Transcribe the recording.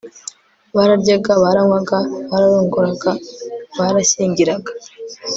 bararyaga baranywaga bararongoraga barashyingiraga